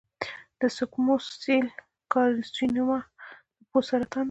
د سکوموس سیل کارسینوما د پوست سرطان دی.